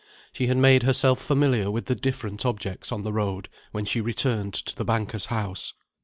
She had made herself familiar with the different objects on the road, when she returned to the banker's house.